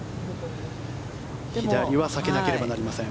左は避けなければいけません。